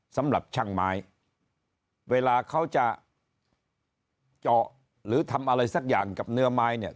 สำหรับช่างไม้เวลาเขาจะเจาะหรือทำอะไรสักอย่างกับเนื้อไม้เนี่ย